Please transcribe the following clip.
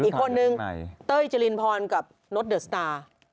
อีกคนนึงเต้ยจรินพรกับนดเดอร์สตาร์